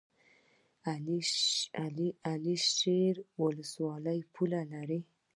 علي شیر ولسوالۍ پوله لري؟